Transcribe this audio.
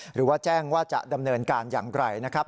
หรือว่าแจ้งว่าจะดำเนินการอย่างไรนะครับ